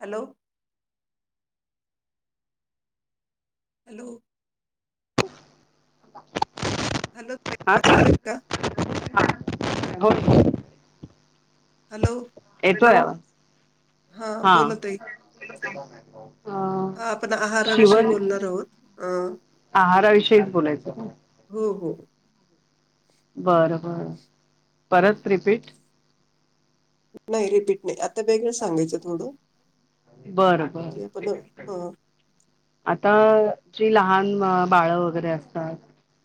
Hello! Hello! Hello ताई, [unintelligible] आ आवाज [unintelligible] हा येतोय का [unintelligible] हॅलो! येतोय आवाज. हा, बोला ताई. [unintelligible] हा आपण अ आहाराविषयी शिवन बोलणार आहोत अ आहारा विषयीचं बोलायचं. हो हो. बरं बरं परत रिपीट. नाही रिपीट नाही, आता वेगळं सांगायचं थोडं. बरं बरं. म्हणजे आपण हा आता जी लहान बाळ वगैरे असतात.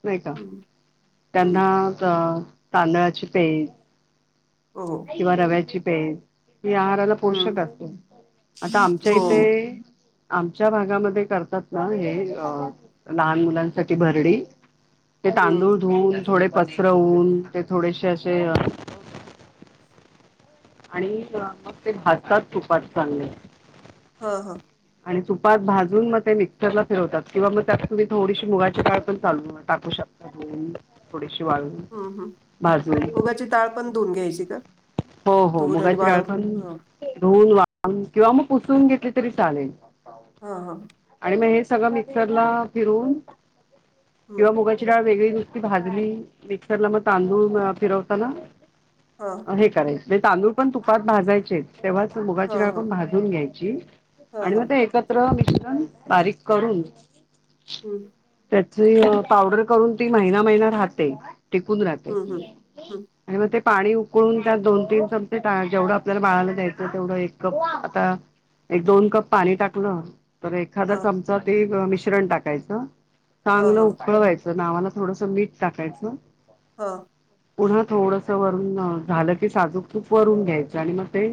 नाही का, हम्म हम्म त्यांना तांदळाची पेज हो. किंवा रव्याची पेज [unintelligible] पचायला पोषक हम्म असते, आता आमच्या हो इथे आमच्या भागामध्ये करतात ना, हे लहान मुलांसाठी भरडी. ते हम्म तांदूळ धुवन थोडे पसरवून ते थोडेसे असे अ आणि मग ते भाजतात तुपात चांगले. ह ह. आणि तुपात भाजून मग ते मिक्सरला फिरवतात, किंवा मग, त्यात तुम्ही थोडीशी मुगाची काळ पण चालं टाकू शकता. अम, थोडीशी वाळवून ह ह मुगाची टाळ पण, धुऊन घ्यायची का? हो हो, धुवून आणि मुगाची डाळ वाळव पण हा धुऊन वाळवून किंवा मग पुसून घेतली तरी चालेल. हा हा. आणि मग हे सगळं मिक्सरला फिरवून हम्म किंवा मुगाची ती काय वेगळी नुस्ती भाजली, मिक्सरला मग तांदूळ म फिरवताना हा. [unintelligible] तांदूळ पण तुपात भाजायचे. तेव्हाच मुगाची हा डाळ हा पण भाजून घ्यायची हा आणि मग हा ते एक त्र मिश्रण बारीक करून हम्म. त्याची पावडर करून ती महिना महिना राहते. टिकून राहते. हम्म हम्म हम्म आणि मग ते पाणी उकळून त्यात दोन तीन चमचे जेवढं आपल्याला बाळाला द्यायचं तेवढं एक कप आता एक दोन कप पाणी टाकलं तर हा एखादा चमचा ते मिश्रण टाकायचं. हा चांगलं हा उकळवायचं तर नावाला थोडसं मीठ टाकायचं. हा. पुन्हा थोडस वरून झालं की साजूक तूप वरून घ्यायचं आणि मग ते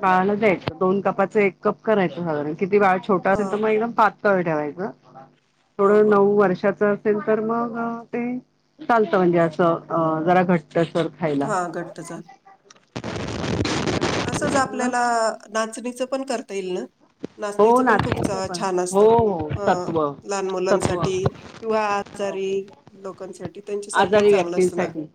बाळाला द्यायचं. दोन कपाचं एक कप करायचं साधारण किती बाळ छोट हा असेल तर मग एक पातळ ठेवायच. हो थोड हो नऊ वर्षाच तर मग ते चालत म्हणजे असं अ -जरा घट्ट सर खायला. हा घट्ट झाल [inaudible] तसच चांगलं आपल्याला नाचणीचं पण करता ईल ना? हो नाचणीचं पण खूप नाचण्याचं पण छान असत. हो हो ह सत्व लहान सत्व मुलांसाठी हो किंवा आजारी हो लोकांसाठी त्यांच्यासाठी आजारी चांगलं असणार. व्यक्तींसाठी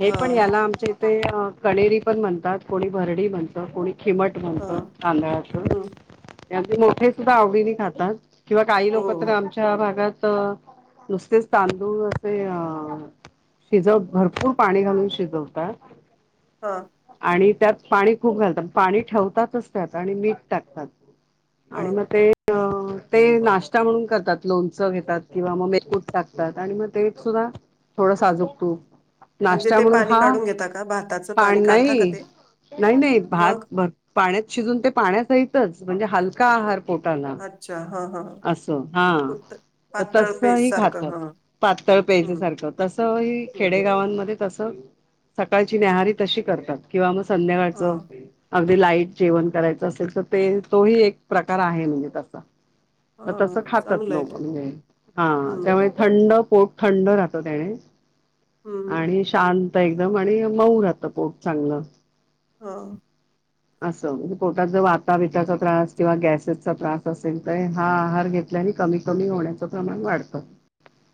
हे पण याला आमचे ते कणेरी पण म्हणतात, कोणी भरडी म्हणतं कोणी खिमट हा म्हणतं तांदळाचं. हम्म हे आमचे मोठे सुद्धा आवडीने खातात, किंवा काही लोक तर हो आमची भातात नुसतेच तांदूळ असे असे अ शिजव भरपूर पाणी घालून शिजवतात. हा. आणि त्यात पाणी खूप घालतात, पाणी ठेवतातच त्यात आणि मीठ टाकतात. हा आणि मग ते अ ते नाश्ता म्हणून करतात, लोणचं घेतात किंवा मग मेथकूट टाकतात आणि मग ते सुद्धा थोडं साजुक तुप म्हणजे नाश्ता ते म्हणून, पाणी हा काढून घेता का भाताचं पाणी पान काढता का नाही ते नाही नाही भात मग भर पाण्यात शिजून ते पाण्या सहितच म्हणजे हलका आहार पोटाला. अच्छा! हा हा. असं हा. पुत तर पातळ पेस्ट तसही सारखं खातात हा पातळ पेजं हम्म सारखं तसही हम्म खेडेगावांमध्ये तस़ सकाळची न्याहारी तशी करतात, किंवा मग हा संध्याकाळचं अगदी लाईट जेवण करायचं असेल तर, ते तोही एक प्रकार आहे म्हणजे तसा त- हा तसं खातात चांगलं आहे लोक ते म्हणजे हा हम्म त्यामुळे थंड पोट थंड राहतं, त्याने हम्म आणि शांत एकदम आणि मऊ राहत पोट चांगलं. हा. असं म्हणजे पोटात जर वाताबिताचा त्रास किंवा गॅसेसचा त्रास तसयं ते हा आहार घेतल्याने कमी कमी होण्याचं प्रमाण वाढतं.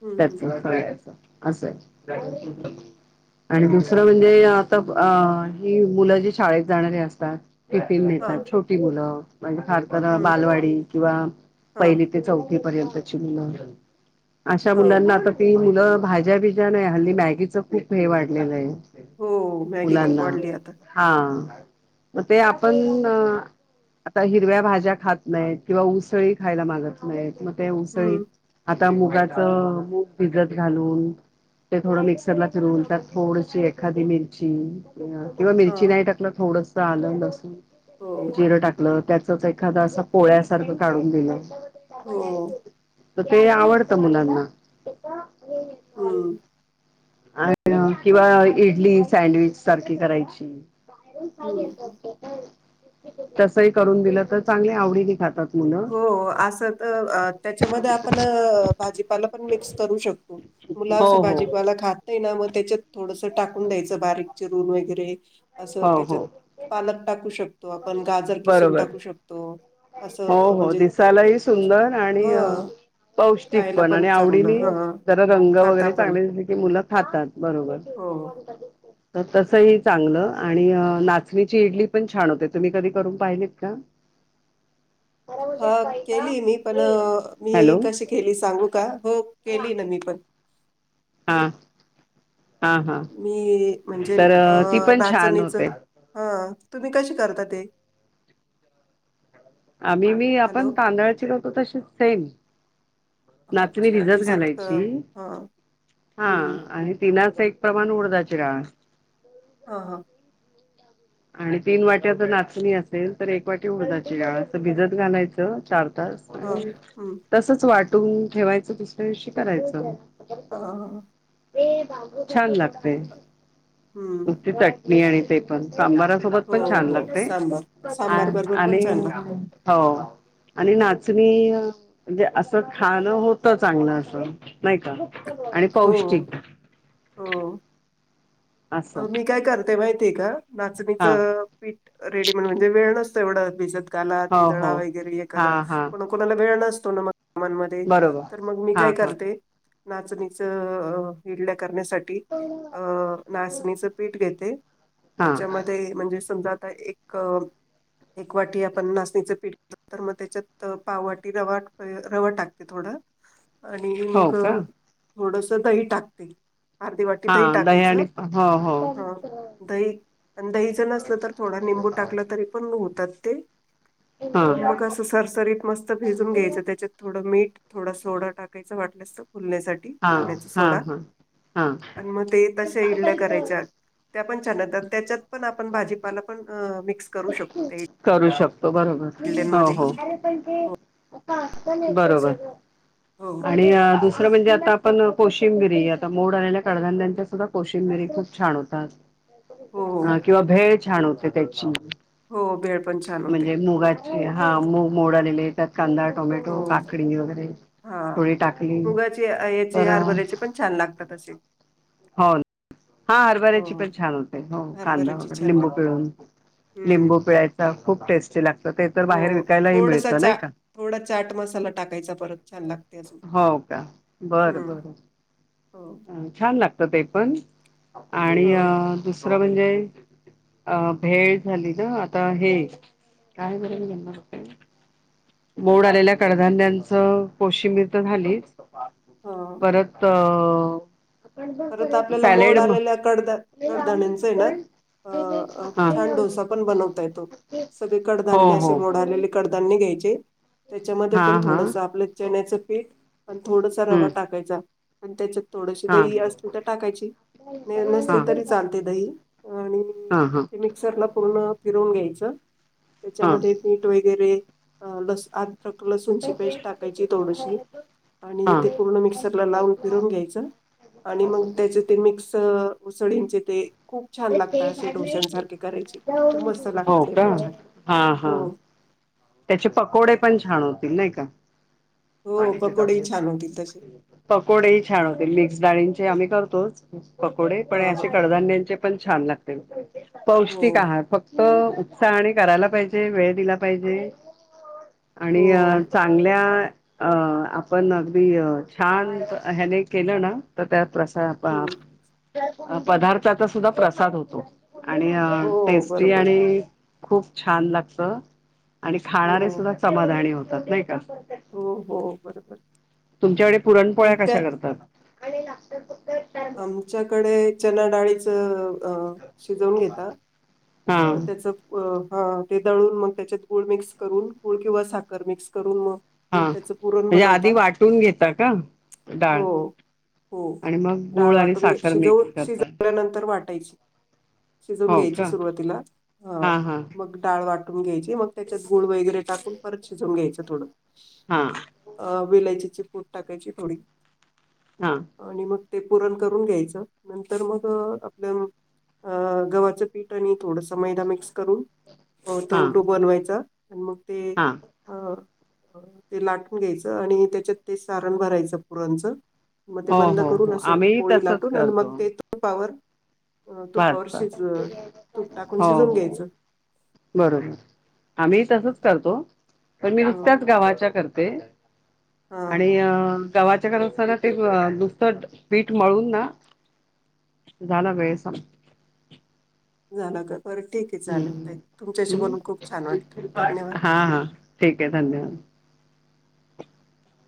हम्म त्याच हम्म करायच असंय. आणि दुसरं म्हणजे आता अ ही मुलं जी शाळेत जाणारी अस तात हा [unintelligible] छोटी मुलं म्हणजे फार तर हम्म बालवाडी किंवा हा पहिली चौथी पर्यंतची मुलं अशा हा मुलांना आता ती मुलं भाज्या बिज्या नाही, हल्ली मॅगीच खूप हे वाढलेलं आहे. हो, मॅगी खूप मुलांना वाढली आता. हा. मग ते आपण आता हिरव्या भाज्या खात नाहीत, किंवा उसळी खायला मागत नाहीत, मग ते उसळी हं, आता मुगाच मुग भिजत घालून ते थोडं मिक्सरला फिरवून त्यात थोडीशी एखादी मिरची किंवा मिरची हां, नाही टाकलं, थोडस आलंं, लसुण हो, जिरं टाकल आपलं त्याचच एखाद असं पोळ्या सारखं काढून दिलं. हो. तर ते आवडतं मुलांना. [unintelligible] हम्म, अ किंवा इडली सँडविच सारखी करायची. हं. तसही करून दिलं तर, चांगले आवडीने खातात. मुलं हो, असं तर त्याच्यामध्ये आपण भाजीपाला पण मिक्स करू शकतो. मुलं हो असं हो भाजी पाला खात ते ना, मग त्याच्यात थोडस टाकून द्यायचं, बारीक चिरून वगैरे असं हो हो त्याच्यात पालक टाकू शकतो आपण, गाजर खिसून बरोबर टाकू शकतो अस हो, हो. दिसालाही सुंदर, आणि अ हं, पौष्टिक खायला पण आणि चांगलं. आवडीनी हं, जरा रंग खाता वगैरे पण. चांगले असले की मुलं खातात बरोबर. हो. [unintelligible] तसचही चांगलं आणि अ, नाचणीची इडली पण छान होते, तुम्ही कधी करून पाहिलेत का? हां, केली मी, पण मी हॅलो कशी केली सांगू का? हो, केली ना मी पण. हां. मी म्हणजे तर अ ती पण छान नाचणीच होते हां, तुम्ही कशी करता ते? आम्ही मी आपण हॅलो. तांदळाची करतो तशीच सेम. नाचणी अच्छा भिजत अ, घालायची, हां, हा हं. आणि तिनाच एक प्रमाण उडदाची डाळ अं हं. आणि तीन वाट्यात जर नाचणी असेल, तर एक वाटी उडदाची डाळ भिजत घालायचं चार तास हां, आणि, हं. तसच वाटून ठेवायचं दुसऱ्या दिवशी करायचं हा ह छान लागते हं. नुस्ती चटणी आणि ते पण. सांबारासोबत हो, पण छान हो. लागते, सांबार. आ सांबार बरोबर पण आणि छान लागतं. हो आणि नाचणी म्हणजे असं खाणं होतं चांगलं असं नाही का. आणि हो, पौष्टिक हो. असं मी काय करते माहितीय का हा नाचणीचं पीठ, रेडीमेंट म्हणजे वेळ नसतोय एवढ भिजत घाला ते हो दळा हो वैगरे हे हा करा हा कोणाला वेळ नसतो ना, मग कामामध्ये बरोबर तर मग मी काय हा हा करते नाचणीच ईडल्या करण्यासाठी अ नीच पीठ घेते, हा त्याच्यामध्ये म्हणजे समजा आता एक एक वाटी आपण नाचणीचं पीठ तर मग त्याच्यात पाववाटी रवा, रवा टाकते थोडं आणि हो मग का थोडस दही टाकते. अर्धी वाटी दही हा आणि टाकायचं. हो, हां. हो दही, आणि दहीच नसलं तर थोडा निंबू टाकला तरी पण होतात ते हा आणि मग असं सरसरीत मस्त भिजून घ्यायचं त्याच्यात थोडं मीठ, थोडा सोडा टाकायचं वाटलंस तर फुलण्यासाठी. हा खाण्याच हा सोडा हा हा आणि मग ते तश्या इडल्या करायच्या. त्या पण छान होतात त्याच्यात पण आपण भाजीपाला पण मिक्स करू शकतो त्या ई करू शकतो बरोबर. हो, हो हो तसं. बरोबर हो. आणि आजच दुसर म्हणजे आता आपण कोशिंबिरी आता मोड आलेल्या कडधाण्याच्या सुद्धा कोशिंबिरी खूप छान हो, होतात अ हो. किंवा भेळ छान होते त्याची हो भेळ पण छान होते. म्हणजे मुगाची, हा मूग मोड आलेले त्यात कांदा टोमॅटो, काकडी वगैरे हा थोडी टाकली मुगाची याचे तर हरभऱ्याचे पण छान लागतात असे हो, हा हो. हरभऱ्याची पण छान होते हो कांदा हरभऱ्याची वगैरे छान लिंबू लागते. पिळून. हम्म. लिंबू पिळायचा खूप टेस्टी लागत ते तर बाहेर हो विकायलाही थोडासा मिळतं नाही चा का! थोडा चाट मसाला टाकायचा परत छान लागतय अजून. हो का बरं हम्म बरं हो छान लागत ते पण आणि अ दुसरं म्हणजे अ, भेळ झाली ना आता हे काय बरं म्हणणार होते. मोड आलेल्या कडधान्यांचं, कोशिंबीर तर झालीच. ह परत अ परत आपल्याला सॅलेड मोड म आलेल्या, कडदा कडधाण्याचय ना. अ हा छान डोसा पण बनवता येतो, सगळे हो कडधान्य असे हो मोडालेले कड धान्य घ्यायचे. त्याच्यामध्ये हा पण हा थोडस आपलं चण्याचं पीठ, अण थोडसा रवा हम्म टाकायचा. त्याच्यात थोडशी हा दही अस टाकायची, हा नसली हा तरी चालते दही, आणि मिक्सरला पूर्ण फिरवून घ्यायच, हा त्याच्यामध्ये मीठ वगैरे लस आ लसूणची पेस्ट टाकायची थोडीशी, हा आणि हा ते पूर्ण मिक्सरला लावून फिरून घ्यायचं. आणि मग त्याचे ते मिक्स उसळींचे ते, खूप छान लागत असे डोश्यांसारखे करायचे, खूप मस्त लागत हो ते का पण छान, हा हा हो. त्याचे पकोडे पण छान होतील, नाही का? हो पकोडेही छान होतील, तसे. पकोडेही छान होतेल, मिक्स डाळींचे आम्ही करतोच, पकोडे हा पण हा असे कडधान्यांचे पण छान लागते, हो पौष्टिक आहार, फक्त त उत्साहाने करायला पाहिजे, वेळ दिला पाहिजे. हो आणि चांगल्या अ आपण अगदी छान, ह्याने केलं ना. तर त्यात प्रसा हम्म, पदार्थाचा सुद्धा प्रसाद होतो. आणि हो टेस्टी बरोबर आणि खूप छान लागत. आणि हो खाणारे सुद्धा समाधानी होतात, नाही का? हो हो बरोबर तुमच्याकडे पुरणपोळ्या आणि त्या कशा करतात. आणि लातर फक्त आमच्याकडे चना डाळीच, अ शिजवून घेता. हा मग त्याचं अ हा ते दळून, मग त्याच्यात गूळ मिक्स करून, गूळ किंवा साखर मिक्स करून म हा त्याच पुरण म्हणजे बनवता, आधी वाटून घेता का डाळ हो. हो आणि मग डाळ गुळ आणि वाटून घेत साखर शिजवून मिक्स करतात शिजल्यानंतर, वाटायची शिजवून हो घ्यायची का सुरुवातीला, ह. हा हा मग डाळ वाटून घ्यायची, मग त्याच्यात गुळ वगैरे टाकून, परत शिजवून घ्यायचं थोडं. हा. अ विेलायचीची पूट टाकायची थोडी. हा. आणि मग ते पुूरण करून घ्यायचं नंतर मग आपल्या अ गव्हाचं पीठ आणि थोडस मैदा मिक्स करून, हा तरडू बनवायचा आणि मग ते हा अ ते लाटून घ्यायचं, आणि त्याच्यात ते सारण भरायचं, पुरणचं, मग ते हो बंद हो करून हो अस आम्ही पोळी तसच लाटून आण करतो मग ते तूपावर. अ तुपावर भाजतात. शिज, तूप टाकून हो शिजून हो घ्यायचं. बरोबर, आम्ही तसच करतो पण मी ह नुसत्याच गावाच्या करते. हा आणि अ गव्हाच्या करत असताना ते नुसतं पीठ मळून ना, झाला वेळेस ह. झाला का? बरं ठीके चालेल, हम्म ताई तुमच्याशी बोलून हम्म खूप छान वाटतं धन्यवाद. हा हा. ठीके, धन्यवाद.